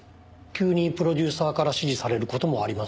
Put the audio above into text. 急にプロデューサーから指示される事もありますし。